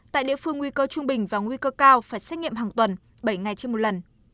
tại địa phương nguy cơ trung bình và nguy cơ cao phải xét nghiệm hàng tuần bảy ngày trên một lần